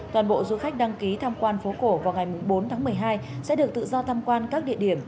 toàn bộ du khách đăng ký tham quan phố cổ vào ngày bốn tháng một mươi hai sẽ được tự do tham quan các địa điểm